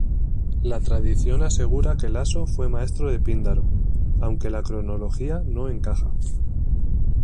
La tradición asegura que Laso fue maestro de Píndaro, aunque la cronología no encaja.